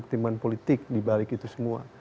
pertimbangan politik dibalik itu semua